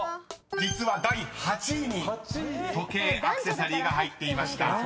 ［実は第８位に「時計・アクセサリー」が入っていました］